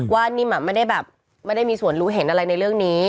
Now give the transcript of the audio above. นิ่มไม่ได้แบบไม่ได้มีส่วนรู้เห็นอะไรในเรื่องนี้